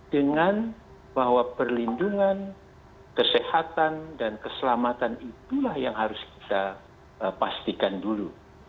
dengan bahwa perlindungan kesehatan dan keselamatan itulah yang harus kita pastikan dulu